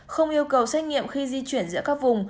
không yêu cầu xét nghiệm khi di chuyển giữa các vùng